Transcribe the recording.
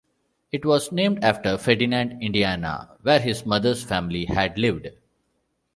It was named after Ferdinand, Indiana, where his mother's family had lived.